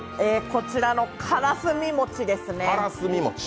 こちらのからすみ餅ですね。